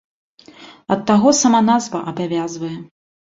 Ад таго сама назва абавязвае.